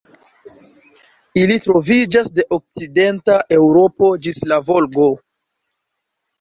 Ili troviĝas de okcidenta Eŭropo ĝis la Volgo.